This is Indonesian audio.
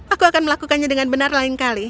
aku akan melakukannya dengan benar lain kali